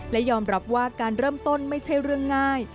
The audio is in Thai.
และยอมรับว่าการเริ่มต้นไม่ใช่เรื่องง่าย